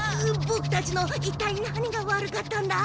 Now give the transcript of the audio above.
ボクたちのいったい何が悪かったんだ？